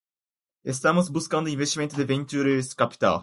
Estamos buscando investimento de venture capital (VC).